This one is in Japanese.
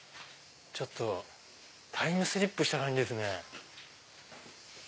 ちょっとタイムスリップした感じですね。